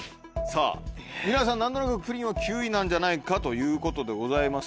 さぁ皆さん何となくプリンは９位なんじゃないかということでございます。